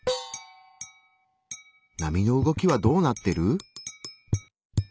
波の動きはどうなってる？